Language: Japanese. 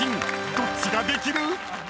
［どっちができる？］